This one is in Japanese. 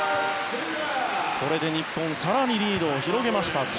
これで日本更にリードを広げました。